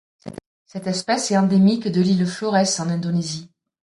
Cette espèce est endémique de l'île Florès en Indonésie.